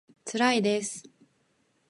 つらいです